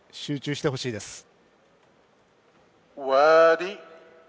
集中してほしいです。